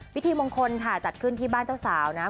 พิธีมงคลค่ะจัดขึ้นที่บ้านเจ้าสาวนะ